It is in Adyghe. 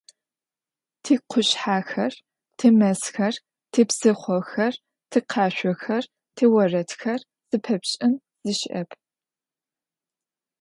Тикъушъхьэхэр, тимэзхэр, типсыхъохэр, тикъашъохэр, тиорэдхэр - зыпэпшӏын зи щыӏэп.